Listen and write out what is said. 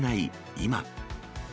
今。